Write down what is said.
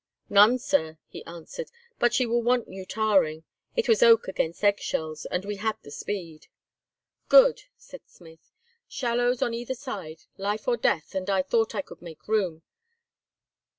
"None, Sir," he answered; "but she will want new tarring. It was oak against eggshells, and we had the speed." "Good!" said Smith, "shallows on either side; life or death, and I thought I could make room.